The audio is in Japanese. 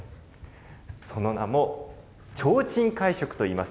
その名も、ちょうちん会食といいます。